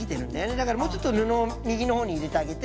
だからもうちょっと布を右の方に入れてあげて。